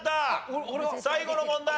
最後の問題。